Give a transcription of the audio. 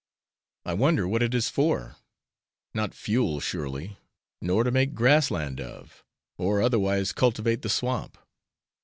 I wonder what it is for: not fuel surely, nor to make grass land of, or otherwise cultivate the swamp.